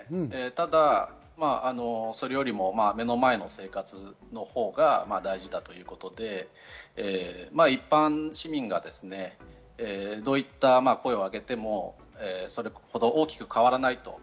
ただそれよりも目の前の生活のほうが大事だということで、一般市民がどういった声を上げてもそれほど大きく変わらないと。